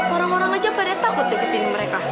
orang orang aja pada takut deketin mereka